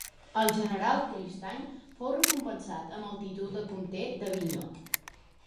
El general Tristany fou recompensat amb el títol de comte d'Avinyó.